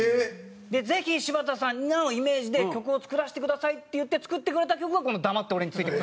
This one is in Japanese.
でぜひ柴田さんのイメージで曲を作らせてくださいって言って作ってくれた曲がこの『だまって俺についてこい』。